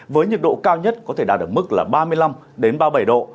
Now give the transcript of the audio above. với nhiệt độ cao nhất có thể đạt được mức là ba mươi năm ba mươi bảy độ